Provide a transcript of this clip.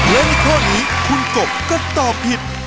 และในข้อนี้คุณกบก็ตอบผิด